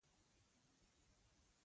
نو چیني به ځای پرېښود او له کوټې به ووت.